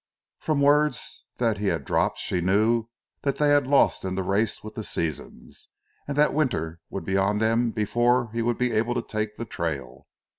From words that he had dropped she knew that they had lost in the race with the seasons, and that winter would be on them before he would be able to take the trail.